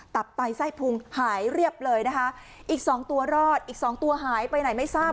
ตับไปไส้พุงหายเรียบเลยอีก๒ตัวรอดอีก๒ตัวหายไปไหนไม้ทราบ